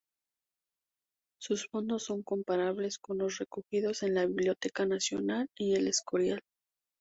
Sus fondos son comparables con los recogidos en la Biblioteca Nacional y El Escorial.